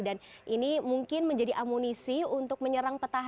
dan ini mungkin menjadi amunisi untuk menyerang petahana